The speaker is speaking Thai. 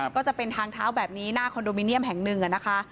ก็จะเป็นทางเท้าแบบนี้หน้าคอนโดมิเนียมแห่งหนึ่งนะคะ